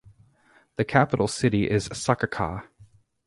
The capital city is Sakakah.